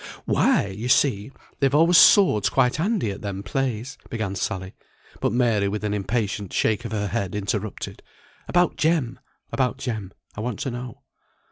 "Why, you see, they've always swords quite handy at them plays," began Sally; but Mary, with an impatient shake of her head, interrupted, "About Jem, about Jem, I want to know."